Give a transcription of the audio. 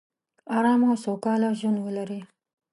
ارامه او سوکاله ژوندولري